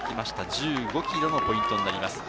１５ｋｍのポイントになります。